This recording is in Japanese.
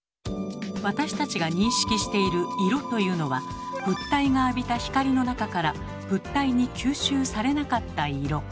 私たちが認識している色というのは物体が浴びた光の中から物体に吸収されなかった色。